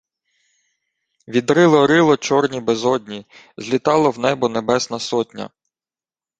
Відрило рило чорні безодні, злітала в небо Небесна Сотня.